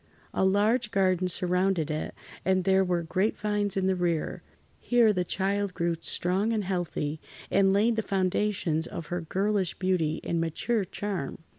A large garden surrounded it and there were grapevines in the rear. Here the child grew strong and healthy, and laid the foundations of her girlish beauty and mature charm.